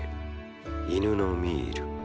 犬のミール。